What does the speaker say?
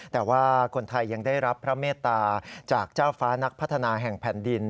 แต่ว่าคนไทยยังได้รับพระเมตตาจากเจ้าฟ้านักพัฒนาแห่งแผ่นดิน